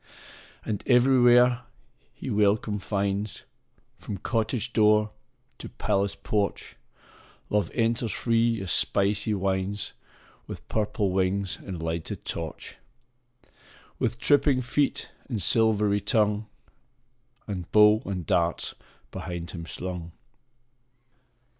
And everywhere he welcome finds, From cottage door to palace porch Love enters free as spicy winds, With purple wings and lighted torch, With tripping feet and silvery tongue, And bow and darts behind him slung.